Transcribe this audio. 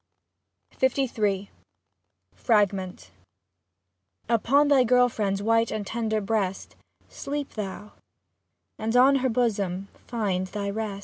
LIII FRAGMENT Upon thy girl friend's white and tender breast, Sleep thou, and on her bosom find thy rest.